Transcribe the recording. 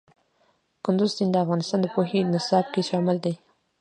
کندز سیند د افغانستان د پوهنې نصاب کې شامل دي.